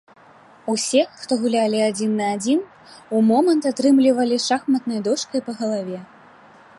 Усе, хто гулялі адзін на адзін, у момант атрымлівалі шахматнай дошкай па галаве.